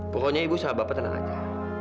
pokoknya ibu sahabatnya tenang aja